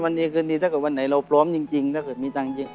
วันนี้คืนนี้ถ้าเกิดวันไหนเราพร้อมจริงถ้าเกิดมีตังค์เยอะ